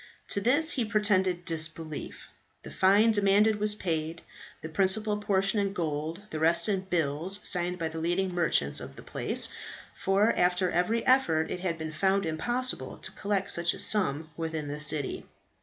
To this he pretended disbelief. The fine demanded was paid, the principal portion in gold, the rest in bills signed by the leading merchants of the place; for after every effort it had been found impossible to collect such a sum within the city.